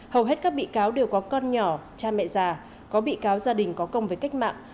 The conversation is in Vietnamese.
hầu hết các bị cáo đều có con nhỏ cha mẹ già có bị cáo gia đình có công với cách mạng